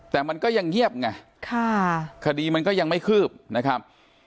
แต่มันก็ยังเงียบไงคดีมันก็ยังไม่คืบนะครับ